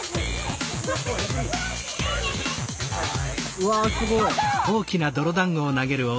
うわすごい。